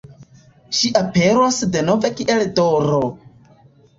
Ŝi aperos denove kiel D-ro.